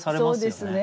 そうですね